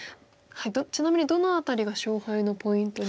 ちなみにどの辺りが勝敗のポイントになりましたか？